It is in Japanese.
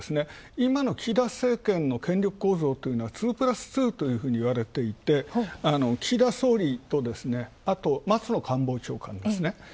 今の岸田政権の権力構造というのは２＋２というふうにいわれていて、岸田総理とあと、松野官房長官ですね。